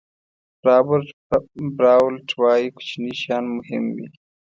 رابرټ براولټ وایي کوچني شیان مهم وي.